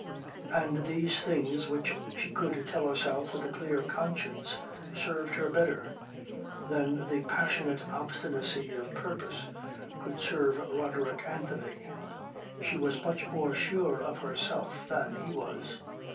And these things which she could tell herself with a clear conscience served her better than the passionate obstinacy of purpose could serve Roderick Anthony. She was much more sure of herself than he was.